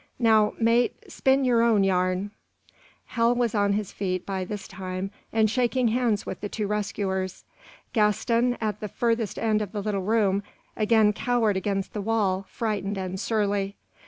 Now, mate, spin yer own yarn." Hal was on his feet, by this time, and shaking hands with the two rescuers. Gaston, at the furthest end of the little room, again cowered against the wall, frightened and surly.